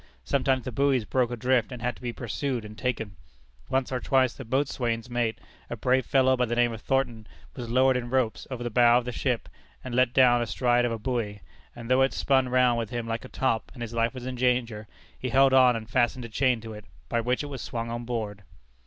Sometimes the buoys broke adrift and had to be pursued and taken. Once or twice the boatswain's mate a brave fellow, by the name of Thornton was lowered in ropes over the bow of the ship and let down astride of a buoy; and though it spun round with him like a top, and his life was in danger, he held on and fastened a chain to it, by which it was swung on board.